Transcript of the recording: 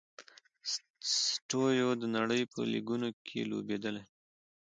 سټیو و د نړۍ په لیګونو کښي لوبېدلی.